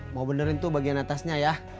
mau benerin tuh bagian atasnya ya